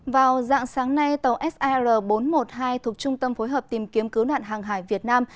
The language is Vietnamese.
vào dạng sáng nay tàu sir bốn trăm một mươi hai thuộc trung tâm phối hợp tìm kiếm cứu nạn hàng hải việt nam